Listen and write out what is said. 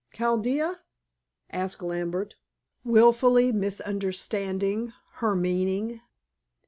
"Chaldea?" asked Lambert, wilfully misunderstanding her meaning.